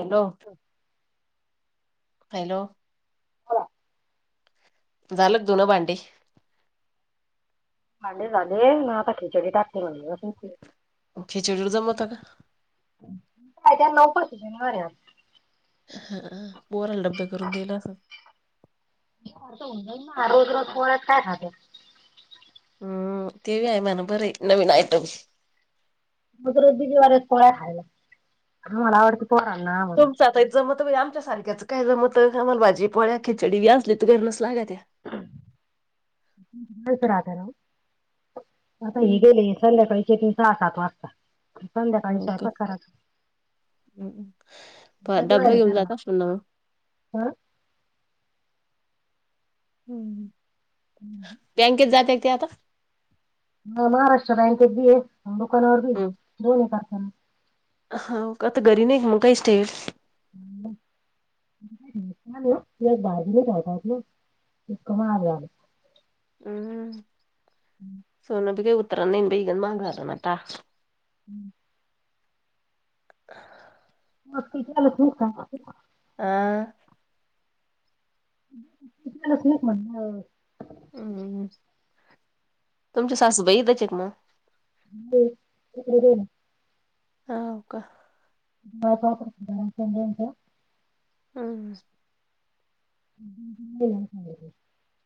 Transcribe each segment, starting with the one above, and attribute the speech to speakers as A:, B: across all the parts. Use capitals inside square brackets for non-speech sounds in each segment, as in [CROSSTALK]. A: Hello. Hello. झाल का धुन भांडी.
B: भांडे झाले आता खिचडी टाकते म्हटलं.
A: खेचडील जमवत का.
B: काय त्या नऊपच जाने [UNINTELLIGIBLE]
A: ह बोरला डब्बे करून देला अस.
B: त उडई ना रोज रोज थोड काय खात
A: हम्म तेव आहे मला बर नवीन आयटम.
B: मग र बीज वार पोळ्या खायला मला आवडते. पोरांना आम्हाला
A: तुमचाच मत आमच्या सारखं त्याच काय जमतं आम्हाला भाजी पोळ्या खिचडी बी असली तर घच लाग
B: [UNINTELLIGIBLE] आता हे
A: हम्म,
B: गेले संध्याकाळी तीन सहा सात वाजता. संध्याकाळीच ऐकात करायच.
A: प डब्बा
B: आहे
A: घेऊन
B: त्यांना
A: जात असल ना म.
B: हं?
A: हम्म बँकेत जाते ती आता.
B: ह महाराष्ट्र बँकेत बी आहे दुकानावर बी दोनही कारखाना.
A: होा आता घरी नाही मग काही स्टेट
B: [UNINTELLIGIBLE] [UNINTELLIGIBLE]
A: हम्म सोनपीिक उतरा न बई गन महाग आता नटा.
B: [UNINTELLIGIBLE]
A: [UNINTELLIGIBLE]
B: [UNINTELLIGIBLE]
A: हा.
B: [UNINTELLIGIBLE]
A: हम्म तुमची सासूबाई इथेच येत मग.
B: हम्म. [UNINTELLIGIBLE]
A: हा होका.
B: [UNINTELLIGIBLE]
A: हम्म.
B: [UNINTELLIGIBLE]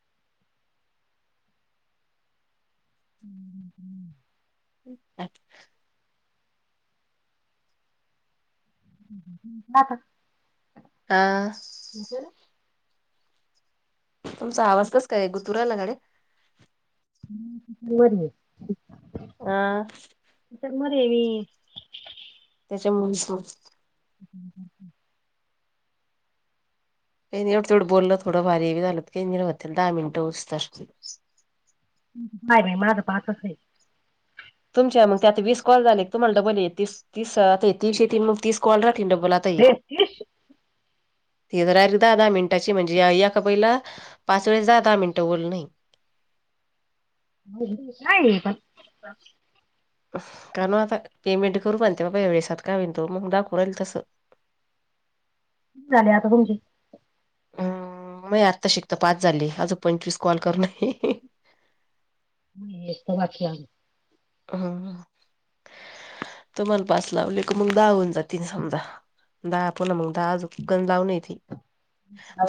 B: [UNINTELLIGIBLE]
A: [UNINTELLIGIBLE]
B: टाका.
A: आ. तुमचा आवाजच काय आहे गुतुराला गडे.
B: [UNINTELLIGIBLE]
A: आ.
B: तू म्हणे मी
A: त्याच्यामुळे [UNINTELLIGIBLE]
B: [UNINTELLIGIBLE]
A: काही निवढ तेवढं बोललं थोडं भारी हे झालं काही नि हो दहा मिनिटं होऊस तोवर अस.
B: काय बाई मला तर पाहतच नाही.
A: तुमच्या मग आता वीस कॉल झाले तुम्हाला डबलस तीस त मग तीस स्कॉल राहातील डब्बल हे.
B: रे तीस
A: ती जरा दहा दहा मिनिटाची म्हणजे याका पहिला पाच वेळेस दहा दहा मिनिटं बोल नये. [UNINTELLIGIBLE]
B: नाही पण
A: [UNINTELLIGIBLE] काण आता पेमेंट करू बणते बाबा वळेसात का विन तो मग दाखवू राहील तसं. [UNINTELLIGIBLE]
B: झाले आता तुमची
A: हम म आत्ता शिकता पाच झाले अज पंचवीस कॉल कर नाही.
B: नाही एक तर बाकी्या
A: हा. तो मला पास लावले क मग दाग होन जातील समजा. दहा पण मग दहाजकण जाऊन ये ते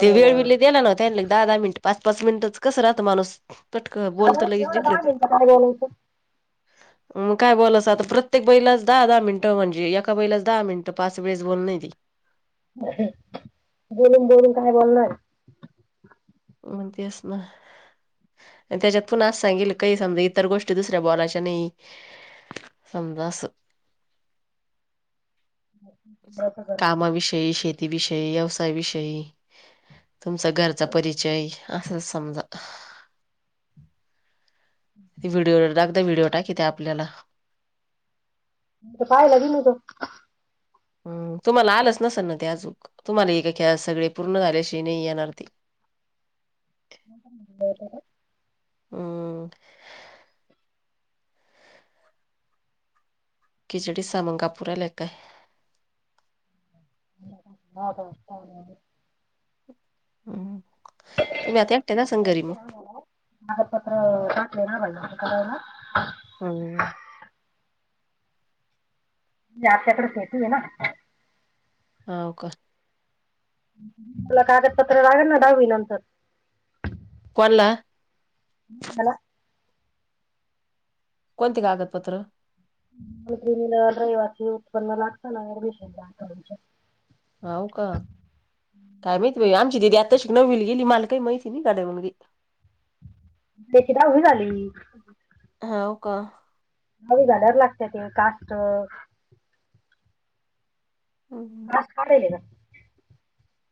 A: ते वेळ विले दिला नव्हत लग दहा दहा मिनिट पाच पाच मिनिटच कसं राहतं माणूस तटक बोलत लगेच
B: एवढं
A: जिकले.
B: दहा मिनिटं काय बोलायचं
A: मग काय बोस आता प्रत्येक बैलाच दहा दहा मिनिटं म्हणजे एका बैलाच दहा मिनटं पाच वेळेस बोल. [UNINTELLIGIBLE]
B: बोलून बोलून काय बोलणार.
A: म तेच ना. आणि त्याच्यात पुण असज सांगेल काही समजा इतर गोष्टी दुसऱ्या बोलायच्या नाही. संतोस
B: द्यायचं करून.
A: कामाविषयी शेती विषयी व्यवसाय विषयी तुमचा घरचा परिचय. असं समजा व्हिडिओा व्हिडिओ टाकीत आपल्याला
B: पायला तनू त
A: हम् तुम्हाला आलंच नस ना ते अजूक तुम्हाला ए एख्या सगळे पूर्ण झाल्याशिवा नाही येणार ते [UNINTELLIGIBLE]
B: [UNINTELLIGIBLE]
A: हम्म क जेडी सामंगपूरा ललेका आहे.
B: [UNINTELLIGIBLE]
A: हम् तर मी आता एकट्या द सं गरी म
B: भाई ह ना.
A: होम.
B: जास्तकडेचेत आहे ना.
A: हा का?
B: मला कागदपत्र लागेल ना दहावी नंतर
A: कोला
B: हला.
A: कोणती का आगत पत्र
B: त र्रैवाचे उत्पन्न लागत ना ऍडमिशन द
A: हो का. काय माहिती बा आमची दिीदी आताश नव्हल गेली मला काही माहिती नाही गा्याे.
B: त्याची तर उी झाली.
A: हा हो का.
B: हवी झाडवर लागते ते कास्ट कास्ट काढायले का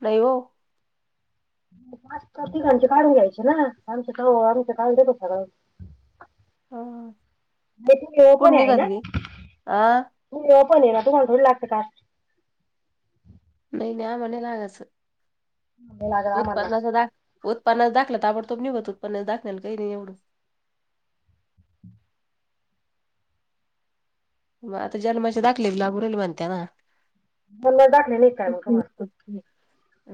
A: नाहीव.
B: पाच तिघाचे काढून घ्यायचे ना आमचं का आमचं काल देतसा का?
A: हं.
B: म्ह त य
A: कुठं
B: पण आहे ना
A: निघाली? आ?
B: त. पण ये ना तुमला थोड लागतं का?
A: नाही नाही म्हणेलागचं.
B: हला ग्रमला
A: उत्प्स दाखलं ताबडतोब निव्हत उत्प्स दाखल काही नाही एवड मग आता जन्माचे दाखले ब लाबरल म्हणत्या ना
B: मनला टाकले नाही काय मग का मला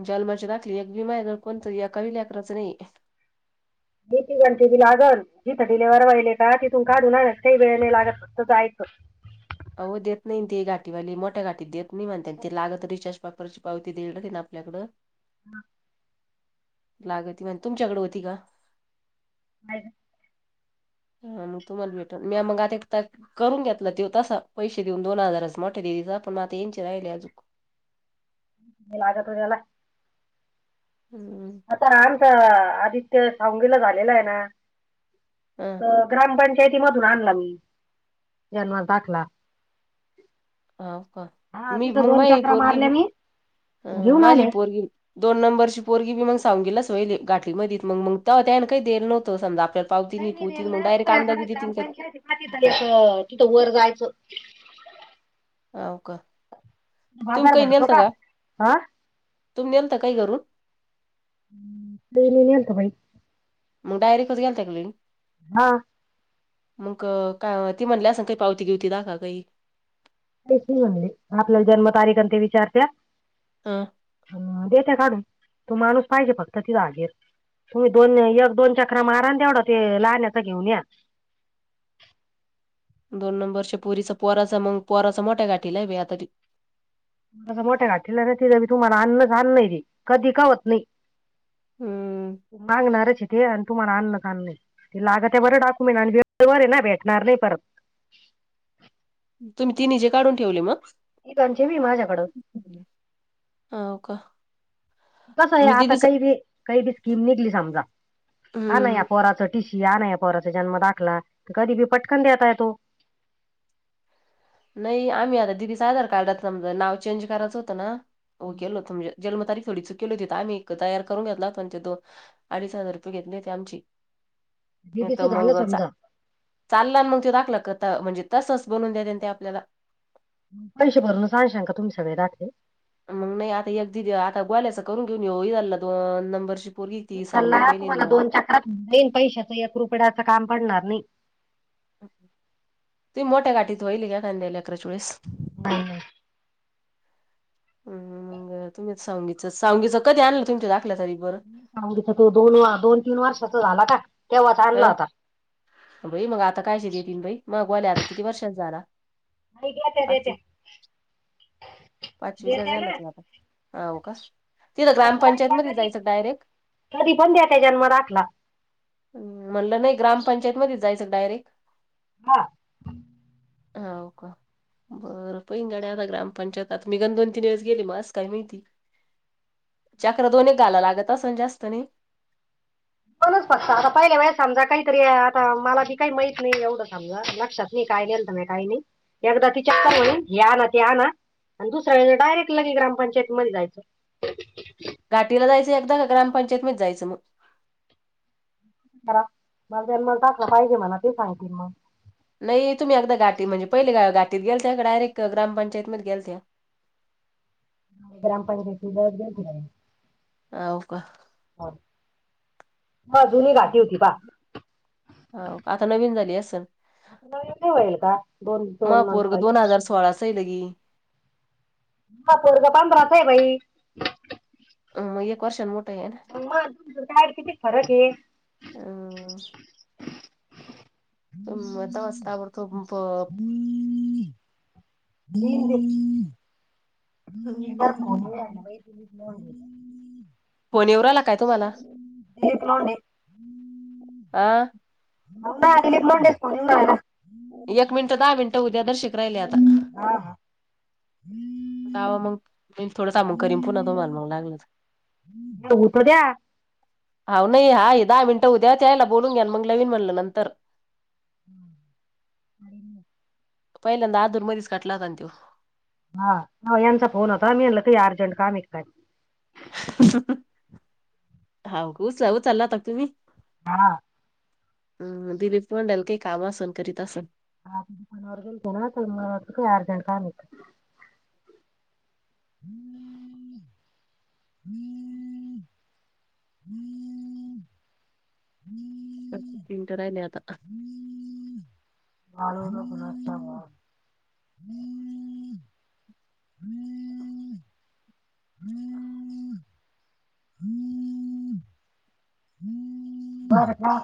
A: जलमची दाखली एक भिमायर कोणतं या कविल्याकराचं नाही
B: लागत जिथं डलेवर वहिले का तिथून काढून आणत काही वेळे नाही लागत फक्त जायच
A: हो देत नाहीी घाटीवाली मोठ्या घाटीत देत नाही म्हणत ते लागत रिचार्जची पावती देईली आपल्याकडं
B: म
A: लाग त म्ह तुमच्याकडे होती का
B: ह
A: हा मग तुम्हाला भेटल मी मग आता एक करून घेतला ते तसा पैसे देऊन दोन हजारच मोठे पण म ते येनचराहिले अजक
B: लागत होरला
A: हम्म
B: आता रामच आदित्य सवंगीला झालेलं आहे ना
A: हा,
B: तर ग्रामपंचा शेती मधून आणला मी जन्मस दाखला
A: हा का
B: हा
A: मी
B: तिथं
A: मग मा
B: दोन
A: ये
B: चक्रा
A: पोरगी
B: मारल्या
A: बी
B: मी
A: ह
B: घेऊन
A: माझी
B: आले
A: पोरगी दोन नंबरची पोरगी बी मग ऊून गेला स वय गाठीमध्ये मग मग काही देर नव्हत समजा आपल्याला पावती
B: काही नाही
A: पुती
B: रेल
A: मग
B: ना
A: डायरेक्ट
B: तू आता
A: अंदाजे देतीन का
B: ग्रामपंचायतीातरायच तिथं वर जायचं
A: अ का तुम्ही
B: बाजार
A: काही
B: भरतो
A: नेलत का
B: हा
A: तुम् नल तर काही करून
B: तेणी नि आंत भाई
A: मग डायरेक्टच गेल त्यागली
B: हा
A: मग काय ती म्हटली अस ना काही पावती गेवती दाख काही
B: का म्हणले आपल्या जन्मतारीख आणि ते विचारत
A: हा
B: देते काढून तू माणूस पाहिजे फक्त तिचा आगेर तुम्ही दोन एक दोन चक्र माराण तेवढा ते लाहण्याचा घेऊन या
A: दोन नंबरच्या पुरीच पोहराच मग पोहराच मोठ्या गाठीला आहे बेया तरी
B: मला मोठ्या घाठला नाही तिी तुम्हाला अन्न झाान्न र कधी कावत नाही
A: हम्म
B: माग नाराचट तुम्हाला आण् का ते लाग ते बरं टाकूून आणि वेर आहे ना भेटणार नाही परत
A: तुम्ही ती निजे काढून ठेवली मग
B: एक त्यांची मी माझ्याकडं
A: नका
B: कस आहे आता काही बी काही बी स्कीम निघली समजा हा नाही या
A: हम्म
B: पोराच टीशीी हा नाही पोराचा जन्म दाखला तर कधी बी पटकन देता येतो
A: नाही आम्ही आता दिदीच आधार कार्डात नाव चेंज करायं होतं ना ओ केल होत म्हणजे जन्म तारीख थोडी चूक केली होेत त आम्ही तयार करून घेतला होतो त दो अडीच हजार रुपये घेतले होेते आमचे [INAUDIBLE] त
B: दीदीचं झालं
A: मग चा
B: समजा
A: चालला मग त दाखलं क त म्हणजे तसच बनून देत त्या त्याला
B: पैसे भरूनच आनसाल का तुम्ही सगळे दाखले?
A: मग नाही आता एक दि आता बोल्याच करून घेऊन येऊ इला दोन नंबरशिप
B: हल्ला तुम्हाला दोन चक्रात तीन पैशाच यक रुपडाच काम पडणार नाही.
A: ती मोठ्या गाठीत होईल का कांद्याला लेकराच्या वेळीस.
B: नाही नाही.
A: हम मग तुम्ही सांगीच स साांगीचं कधी आणलं तुमच्या? तरी बरं.
B: सांगच तो दोन दोन तीन वर्षाचा झाला का तेव्हा चा आणला आता.
A: बई मग आता कायच देतीलन बाई मगवाल्या आता किती वर्षाचा झाला?
B: नाही देत्या
A: पाचवी
B: देत्या
A: पाचवीचा
B: देत्या
A: गेला
B: ना
A: तो आता. हाव का. तिथं
B: जन्म
A: ग्रामपंचायत
B: दाखला
A: मधे
B: कधी
A: जायचं डायरेक्ट
B: कधी पण द्या त्या जन्म दाखला
A: म्हटलं नाही ग्रामपंचायत मधेच जायचं डायरेक्ट
B: हा.
A: हाव का. बरं पहिंगाडया आता ग्रामपंचायत आता मी घन दोन तीन दिवस गेले म अस काय माहिती. चक्र दोन एक घाला लागत असन जास्त नि?
B: म्हणूनच फक्त आता पहिले बा समजा काहीतरी आता मला ती काही माहीत नाही एवढं समजा लक्षात नी काय नेलत. काही नाही एकदा ती चक्कर होइन हे आणा ते आणा आणि दुसऱ्या वेळे डायरेक्ट लगे ग्रामपंचायतीमध्ये जायचं.
A: घाटीला जायचं एकदा का ग्रामपंचायत मधेच जायचं मग.
B: ते सांगतील मग.
A: नाही तुम्ही अदा गाटी म्हणजे पहिले ग घाटीत गेल त्या डायरेक्ट ग्रामपंचायत मध गेल त्या? [INAUDIBLE]
B: ह ग्रामपंचायती [UNINTELLIGIBLE]
A: हाव का.
B: हा जुनी घाटी होती पा
A: हो आता नवीन झाली असल?
B: अस नवे होईल का दोन
A: माय
B: दोन
A: पोरग
B: म्हणताई.
A: दोन हजार [UNINTELLIGIBLE]
B: ह पोरगा पांधराच आहे बाई.
A: अ एक वर्ष मो
B: म तुमच का किती फरक आहे.
A: ना म त तवाच तवा करून पण.
B: [UNINTELLIGIBLE] [UNINTELLIGIBLE]
A: फोन येऊ राहिला काय तुम्हाला
B: दिलीप लोंढे
A: अ.
B: [UNINTELLIGIBLE]
A: एक मिनिट दहा मिनिट उद्या जराशेक राहिले आता.
B: हा हा
A: वा मग मी थोडं काम करीन पुन्हा तुम्हाला मग लाविन.
B: हुत द्या.
A: हा नाही हाय दहा मिनटं उद्या त्यायला बोलून घ्या मग नवीन म्हणलं नंतर
B: [UNINTELLIGIBLE]
A: पहिल्यांदा आदुर मधेच काटला होतान त्यो.
B: हा यांचा फोन होता मी म्हलं की अर्जंट काम आहे का काय.
A: हा उच उचलाता तुम्ही?
B: हा.
A: हम्म दिलीप पण काही काम असन करीत असन.
B: दुकानावर गेलते न काही अर्जट काम आहे. [UNINTELLIGIBLE] हम्म हम्म
A: तिन त राहिले आता.
B: [UNINTELLIGIBLE] हम्म हम्म हम्म हम्म ह् का